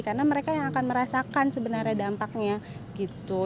karena mereka yang akan merasakan sebenarnya dampaknya gitu